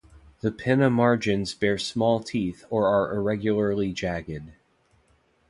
The pinna margins bear small teeth or are irregularly jagged.